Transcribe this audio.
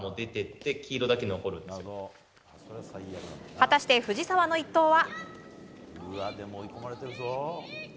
果たして藤澤の一投は。